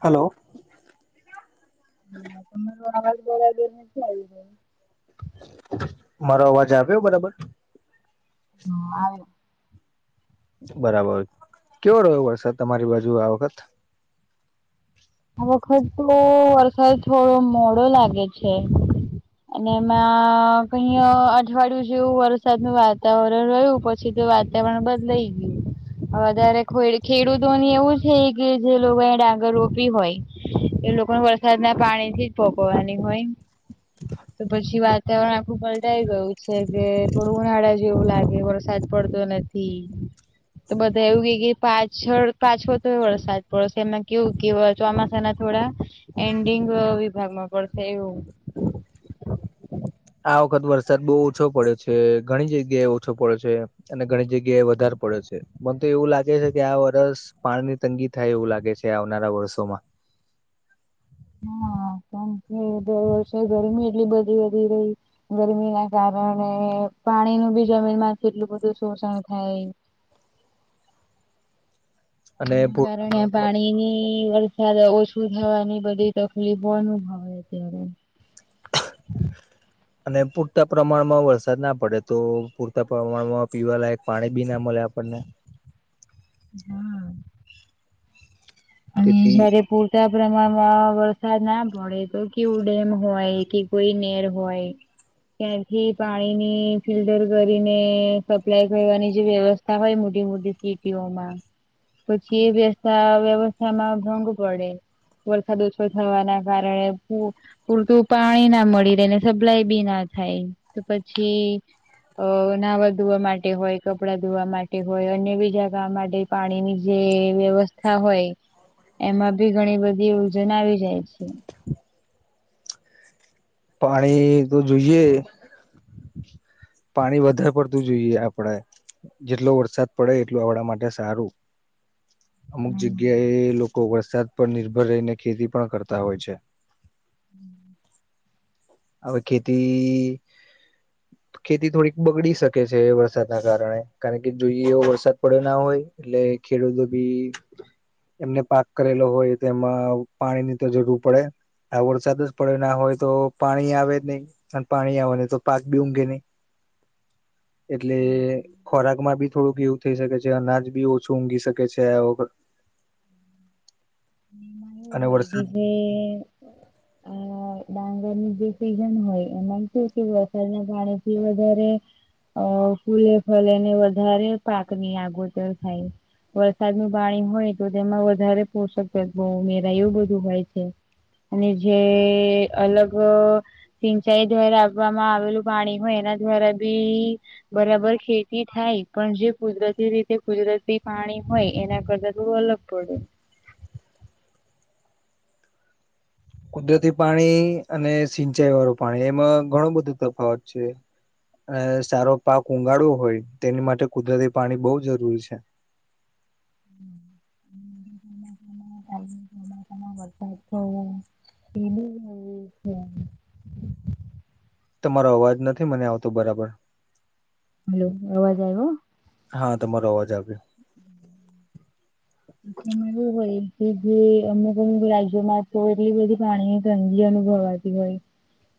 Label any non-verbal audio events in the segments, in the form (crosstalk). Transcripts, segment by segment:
Hello. હા તમારો આવાજ બરાબર નથી આવી ગયો. મારો અવાજ આવ્યો બરાબર. હમ આવે બરાબર કેવો રહ્યો વરસાદ તમારી બાજુ આ વખત આ વખત તો વરસાદ થોડો મોડો લાગે છે. અને એમાં કહી અઠવાડિયું જેવું વરસાદ નુ વાતાવરણ રહ્યું પછી. પછી તો વાતાવરણ બદલાઈ ગયું. વધારે ખેડૂતોની એવું છે કે જે લોકો ડાંગર રોપી. બી હોય એ લોકોને વરસાદ ના પાણી થી જ ભોગવાની હોય તો પછી વાતાવરણ આખુ પલટાઈ ગયું છે કે થોડું ઉનાળા જેવું લાગે વરસાદ પડતો નથી. તો બધા એવું કે પાછળ પાછો તો વરસાદ પડશે એમમાં કેવું કેવાય ચોમાસા ના થોડા એન્ડિંગ વિભાગમાં પડશે એવું આ વખત વરસાદ બહુ ઓછો પડે છે ઘણી જગ્યાએ ઓછો પડે છે. અને ઘણી જગ્યા એ વધારે પડ્યો છે મને તો એવું લાગે છે કે આ વરસ પાણી ની તંગી થાય એવું લાગે છે આવનારા વર્ષોમાં (inaudible) મ કે દર વર્ષે ગરમી એટલી બધી વધી રહી ગરમી ના કારણે પાણી નું બી જમીન માં એટલું બધું શોષણ થાય અને એના કારણે એમ પાણીની વરસાદ ઓછું થવાની બધી તકલીફોનુ આવે અત્યારે થા. અને પૂરતા પ્રમાણમાં વરસાદ ના પડે તો પૂરતા પ્રમાણમાં પીવા લયક પાણી બી ના મળે આપણને હા. અને તેથી જ્યારે પૂરતા પ્રમાણમાં વરસાદ ના પડે તો કેવું ડેમ હોય કે કોઈ નેર હોય ત્યાંથી પાણીની ફિલ્ટર કરીને સપ્લાય કરવાની જે વ્યવસ્થા હોય મોટી મોટી સીટીઓમાં પછી એ બે વ્યવ સામા ભંગ પડે વરસાદ ઓછો થવાના કારણે પૂરતું પાણી ના મળી રહેને સપ્લાય બી ના થાય તો પછી- અ નાહવા ધોવા માટે હોય કપડાં ધોવા માટે હોય અન્ય બીજા ગામ માટે પાણીની જે વ્યવસ્થા હોય એમાં ભી ઘણી બધી યોજન આવી જાય છે પાણી તો જોઈએ પાણી વધારે પડતું જોઈએ આપડે જેટલો વરસાદ પડે એટલું આવડા માટે સારું અમુક જગ્યા એ લોકો વરસાદ પર નિર્ભર રહીને ખેતી પણ કરતા હોય છે. હમ હવે ખેતી. ખેતી થોડીક બગડી શકે છે વરસાદના કારણે કારણ કે જોઈએ એવો વરસાદ પડ્યો ના હોય. એટલે ખેડૂતો બી. એમને પાક કરેલો હોય તો એમાં પાણીની તો જરૂર પડે. આ વરસાદ જ પડે ના હોય તો. પાણી આવે જ નહી અને પાણી આવે નહી તો પાક બી ઊઘે નહીં. એટલે ખોરાક માં બી થોડુંક એવું થઈ શકે છે અનાજ બી ઓછું ઊંઘી શકે છે વ અને અગી વરસાદ જે (inaudible) અ ડાંગરની જે સીઝન હોય એમાંમ કે કે વરસાદના પાણી થી વધારે અ ફૂલે ફલેને વધારે પાકની આગોતર થાય. વરસાદનું પાણી હોય તો તેમાં વધારે પોષક તત્વ ઉમેરાય એવું બધું હોય છે. અને જે અલગ સિંચાઈ દ્વારા આપવામાં આવેલું પાણી હોય એના દ્વારા બી બરાબર ખેતી થાય પણ જે કુદરતી રીતે કુદરતી પાણી હોય એના કરતા થોડું અલગ પડે. કુદરતી પાણી અને સિંચાઈ વાળું પાણી એમાં ઘણું બધો તફાવત છે. સારો પાક ઉઊગાડવો હોય તેની માટે કુદરતી પાણી બહવ જરૂરી છે. (inaudible) છ એ છે. તો તમારો અવાજ નથી મને આવતો બરાબર. હલો અવાજ આવ્યો? હા તમારો અવાજ આવ્યો. વું હોય કે જે અમુક અમુક રાજ્યોમાં છો એટલી બધી પાણીની તંંગી અનુભવાય. હોય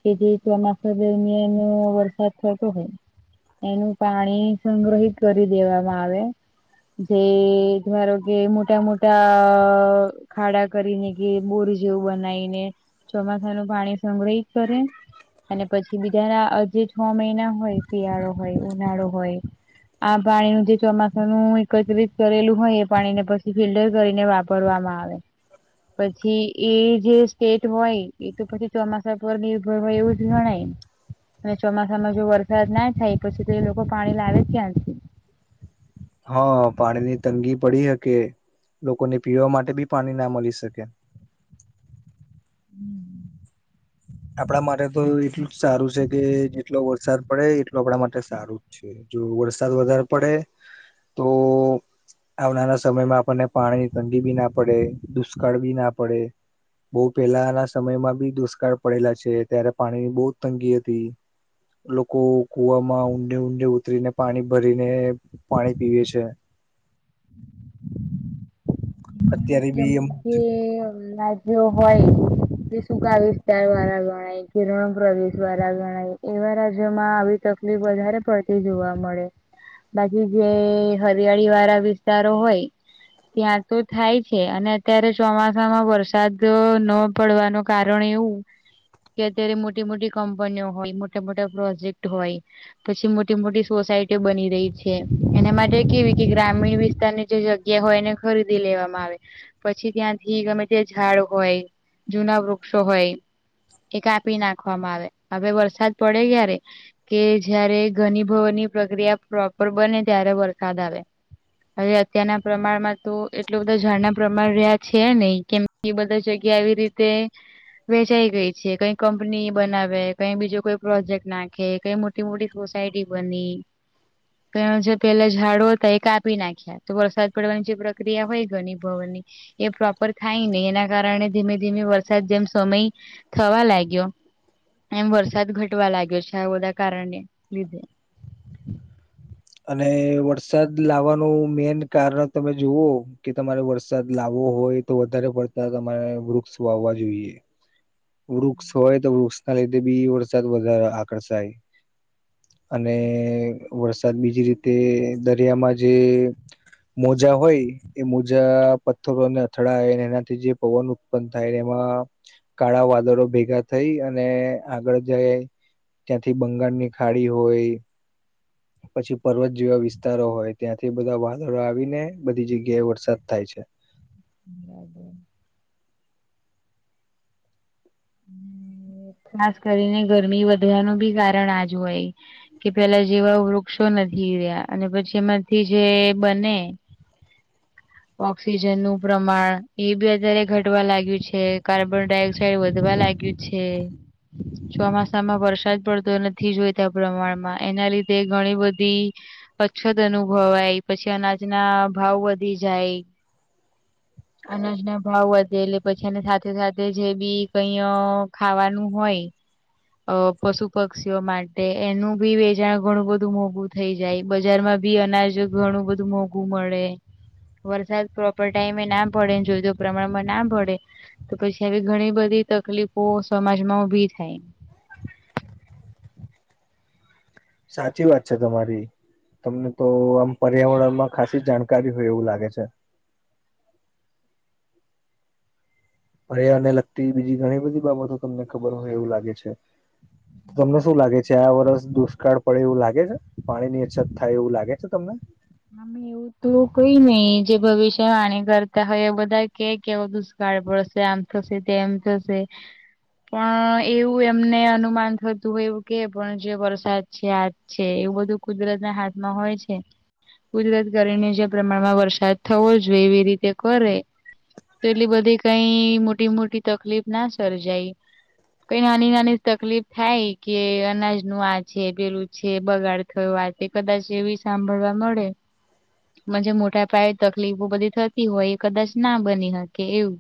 કે જે ચોમાસા દરમ્યાન વરસાદ થતો હોય. એનું પાણી સંગ્રહિત કરી દેવામાં આવે. જે ધારો કે મોટા મોટા ખાડા કરીને કે બોર જેવું બનાવીને ચોમાસા નું પાણી સંગ્રહિત કરે. અને પછી બીજાના આજે છ મહિના હોય શિયાળો હોય ઉનાળો હોય. આ પાણી નધી તો એકત્રિત કરેલું હોય એ પાણીને પછી ફિલ્ટર કરીને વાપરવામાં આવે. પછી એ જે સ્ટેટ હોય એ તો પછી ચોમાસા પર નિર્ભર હોય એવું જ ગણાય. અને ચોમાસામાં જો વરસાદ ના થાય પછી તો એ લોકો પાણી લાવે ક્યાંથી? હા પાણી ની તંગી પડી શકે લોકોને પીવા માટે બી પાણી ના મળી શકે. હમ. આપણા માટે તો એટલું જ સારું છે કે જેટલો વરસાદ પડે એટલો આપણા માટે સારું જ છે. જો વરસાદ વધારે પડે તો આવનારા સમયમાં આપણને પાણી ની તઠંડી બી ના પડે દુષ્કાળ બી ના પડે. બહ પેલાના સમયમાં બી દુષ્કાળ પડેલા છે ત્યારે પાણીની બહ તંગી હતી. લોકો કુ વામાં ઊંડે ઊંડે ઉતરીને પાણી ભરીને પાણી પીવે છે. અત્યારે જે બી એમ ના જે હોય કે શું કા વિસ્તાર વાળા ગણાય કિરણ પ્રદેશ વાળા ગણાય એવા રાજ્યોમાં આવી તકલીફ વધારે પડતી જોવા મળે. બાકી જે હરિયાળી વાળા વિસ્તારો હોય ત્યાં તો થાય છે અને અત્યારે ચોમાસામાં વરસાદ ન પડવાનું કારણ એવું કે અત્યારે મોટી મોટી કંપનીઓ હોય મોટા મોટા પ્રોજેક્ટ હોય પછી મોટી મોટી સોસાયટીઓ બની રહી છે એના માટે કેવી કે ગ્રામીણ વિસ્તારની જે જગ્ય જગ્યા હોય એને ખરીદી લેવામાં આવે. પછી ત્યાંથી ગમે તે ઝાડ હોય જૂના વૃક્ષો હોય એ કાપી નાખવામાં આવે હવે વરસાદ પડે ક્યારે? કે જયારે ઘણી ભવનની પ્રક્રિયા પ્રોપર બને ત્યારે વરસાદ આવે. હવે અત્યારના પ્રમાણમાં તો એટલ બધા જાણના પ્રમાણે રહ્યા છે નહી કેમ એ બધા જગ્યા આવી રીતે વેચાઈ ગઈ છે કઈ કંપની બનાવે કઈ બીજો કોઈ પ્રોજેક્ટ નાખે કઈ મોટ તે મોટી સોસાયટી બની જે (unintelligible) પેલા ઝાડુ હતા એ કાપી નાખ્યા તો વરસાદ પડવાની જે પ્ર ક્રિયા હોય ગણી ભવનની એ પ્રોપર થાય નને એના કારણે ધીમે ધીમે વરસાદ જેમ સમય થવા લાગ્યો એમ વરસાદ ઘટવા લાગ્યો છે આ બધા કારણે લીધે અને વરસાદ લાવવાનું મેન કારણ તમે જુવઓ કે તમારે વરસાદ લાવવો હોય તો વધારે પડતા તમારે વૃક્ષ વાવવા જોઈએ વૃક્ષ હોય તો વૃક્ષ ના લીધે બી વરસાદ વધારે આકર્ષાય અને વરસાદ બીજી રીતે દરિયામાં જે મજા હોય એ મોજા પથ્થરો અને અથડાય અને એનાથી જે પવન ઉત્પન્ન થાય એમાં કાળા વાદળો ભેગા થઈ અને આગળ જાય ત્યાંથી બંગાળ ની ખાડી હોય પછી પર્વત જેવા વિસ્તારો હોય ત્યાંથી બધા વાદળો આવીને બધી જગ્યાએ વરસાદ થાય છે. બરાબર ખાસ કરીને ગરમી વધવાનું બી કારણ આજુ હોય કે પેલા જેવા વૃક્ષો નથી રહ્યા અને પછી એમાંથી જે બને ઓક્સિજન નું પ્રમાણ એ બી અતારે ઘટવા લાગ્યું છે કાર્બન ડાયોક્સાઇડ વધવા લાગ્યું છે ચોમાસામાં વરસાદ પડતો નથી જોયતા પ્રમાણમાં એના લીધે ઘણી બધી અછત અનુભવાય પછી અનાજના ભાવ વધી જાય અનાજ ના ભાવ વધે એટલે પછીની સાથે સાથે જે બી કઈ ખાવાનું હોય અ પશુ પક્ષીઓ માટે એનું ભી વેચાણ ઘણું બધું મોભૂત થઈ જાય બજારમાં ભી અનાજ ઘણું બધું મોંઘું મળે વરસાદ પ્રોપર ટાઈમે ના પડે ને જોયદું પ્રમાણમાં ના પડે તો પછી આવી ઘણી બધી તકલીફો સમાજમાં ઉભી થાય સાચી વાત છે તમારી તમને તો આમ પર્યાવરણમાં ખાસી જાણકારી હોય એવું લાગે છે. અ એ અને લગતી બીજી ઘણી બધી બાબતો તમને ખબર હોય એવું લાગે છે. તમને શું લાગે છે આ વરષ દુષ્કાળ પડે એવું લાગે છે પાણી ની અછત થાય એવું લાગે છે તમને અમે એવું તો કઈ નઈ જે ભવિષ્ય વાણી કરતા હોય બધા કે એવા દુ સુ કાળ પરશે આમ થશે તેમ થશે પણ એવું એમને અનુમાન થતું એવું કે પણ જે વરસાદ છે આ છે એવું બધું કુદરત ના હાથમાં હોય છે. કુદરત ગરમને જે પ્રમાણમાં વરસાદ થવો જોઈએ એવી રીતે કરે તો એટલી બધી કઈ મોટી મોટી તકલીફ ના સર્જાય કઈ નાની નાની તકલીફ થાય કે અનાજ નું આ છે પેલું છે બગાડ. થ વા તે કદાચ એવી સાંભળવા મળે. મ જે મોટા પાયે તકલીફો બધી થતી હોય એ કદાચ ના બની શકે એવું.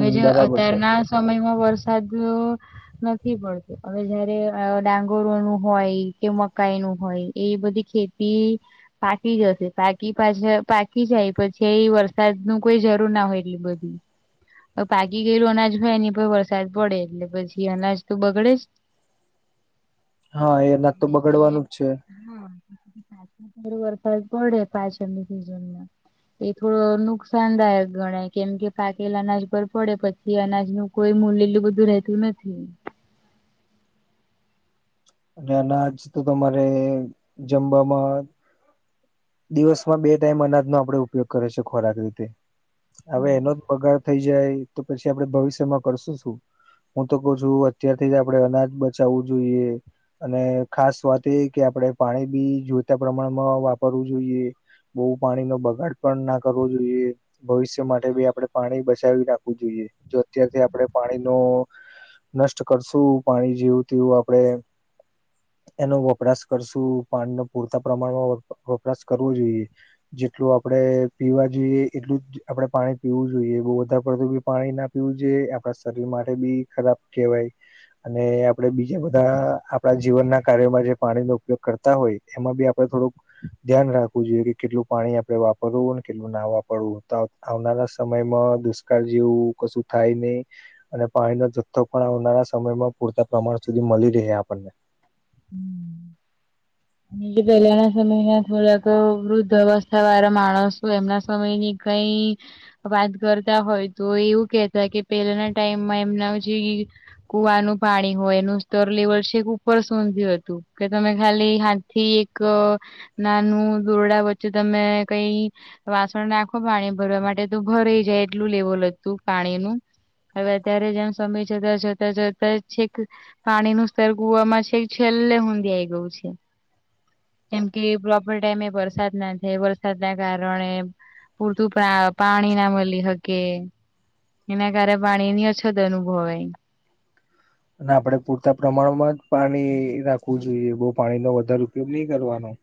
હ જે બરાબર છે અત્યારના સમયમાં વરસાદ નથી મળતું હવે જયારે ડાંગોરો નું હોય કે મકાઈ નું હોય એ બધી ખેતી. પી પાકી જશે પાકી પાછ પાકી જાય પછી એ વરસાદ ન કોઈ જરૂર ના હોય એટલી બધું હમ પાકી ગયેલું અનાજ ભાઈ એની પર વરસાદ પડે એટલે પછી અનાજ તો બગડે જ હા એ ન ત એટલે જે બગાડવાનું જ છે. હા પાચ વરસા પડે પાંચ અને સિઝનમાં એ થોડો નુકસાનદાયક ગણાય કેમ કે પાકેલા અનાશ પર પડે પછ થી અનાજ નું કોઈ મુ લલું બધું રેહતું નથી અને અનાજ તો તમારે જમવામાં. દિવસમાં બે ટાઈમ અનાજનો આપડે ઉપયોગ કરે છે ખોરાક રીતે હવે એનો જ બગાડ. થઈ જાય તો પછી આપડણે ભવિષ્યમાં કરશું શું. હું તો કઉ છું અત્યારથી જ આપડણે અનાજ બચાવવું જોઈએ. અને ખાસ વાત એ કે આપણે પાણી બી જોતા પ્રમાણમાં વાપરવું જોઈએ. બહુ પાણી નો બગાડ પણ ના કરવો જોઈએ. ભવિષ્ય માટે બી આપડણે પાણી બચાવી રાખવું જોઈએ જો અત્યારથી આપણે પાણી નો. નષ્ટ કરશું પાણી જેવું તેવું આપડે. એનો વપરાશ કરશું પાણી ન પૂરતા પ્રમાણમાં વપ વપરાશ કરવો જોઈએ. જેટલું આપડે પીવા જોઈએ એટલું જ. આપડે પાણી પીવું જોઈએ બહુ વધારે પડતું બી પાણી ના પીવું જોઈએ આપણા શરીર માટે બી ખરાબ કહેવાય. અને આપડે બીજા બધા આપણા જીવનના કાર્યોમાં જે પાણીનો ઉપયોગ કરતા હોય એમાં બી આપડે થોડુંક. ધ્યાન રાખવું જોઈએ કે કેટલું પાણી આપડે વાપરવુંને કેટલું ના વાપરવું. આવનારા સમયમાં દુષ્કાળ જેવું કશું થાય નહી. અને પાણીનો જથ્થો પણ આવનારા સમયમાં પૂરતા પ્રમાણ સુધી મળી રહે આપણને પેલાના સમયના થોડાક વૃદ્ધ અવસ્થા વાળા માણસો એમના સમય ની કઈ વાત કરતા હોય તો એવું કેહેતા કે પહેલાના ટાઈમમાં એમના જે કુવાનું પાણી હોય એનું સ્તર લેવલ છેક ઉપર સોંધ્યું હતું કે તમે ખાલી થી એક નાનું દોરડા વચ્ચે તમે કઈ. વાસણ નાખો પાણી ભરવા માટે તો ભરેઈ જાય એટલું લેવલ હતું પાણી નું. હવે અત્યારે જેમ સમય છતા જોતાં જોતા છેક. પાણી નું સ્તર કુવામાં છે છેલ્લે ઊંધી આઈ ગયું છે. જેમ કે પ્રોપર ટાઈમે વરસાદ ના થાય વરસાદ ના કારણે પૂરતું પા પાણી ના મળી હકે. એના કારણે પાણી ની અછત અનુભવય (unintelligible) અને આપડણે પૂરતા પ્રમાણમાં જ પાણી રાખવું જોઈએ બહુ પાણી નો વધારે ઉપયોગ નહી કરવાનો.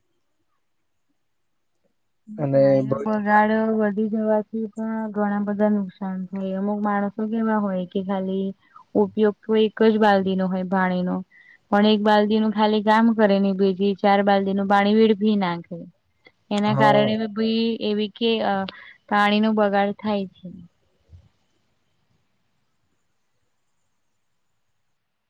અને પાણી ન બ ગાડ વધી જવાથી પણ ઘણા બધા નુકસાન થાય અમુક માણસો કેવા હોય કે ખાલી. ઉપયોગ તો એક જ બાલ્દી નો હોય પાણી નો. પણ એક બાલ્દી નું ખાલી કામ કરે ને બીજી ચાર બાલદી નું પાણી વેડફી નાખે. (unintelligible) એના કારણે બી એવી કે અ પાણી નું બગાડ થાય છે.